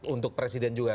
untuk presiden juga